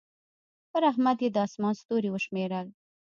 پر احمد يې د اسمان ستوري وشمېرل.